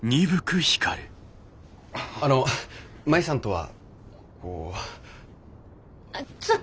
あの舞さんとはこう。